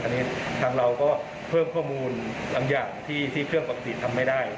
อันนี้ทางเราก็เพิ่มข้อมูลอันยากที่เครื่องปฏิสิทธิ์ทำไม่ได้